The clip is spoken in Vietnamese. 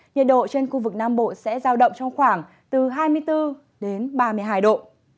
nhiệt độ trên khu vực nam bộ sẽ giao động trong khoảng từ hai mươi bốn đến ba mươi hai độ